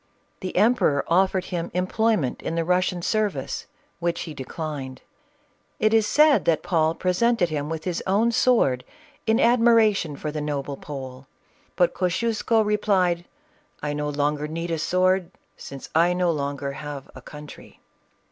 The emperor offered him employment in the Russian service, which he declined. It is said that Paul presented him with his own sword, in admiration for the noble Pole, but Kosciusko replied, "I no longer need a sword, since I have no longer a country."